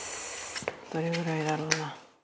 どれぐらいだろうな？